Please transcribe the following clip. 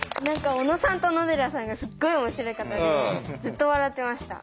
小野さんと小野寺さんがすっごい面白い方でずっと笑ってました。